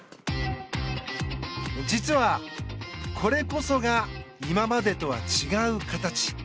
実は、これこそが今までとは違う形。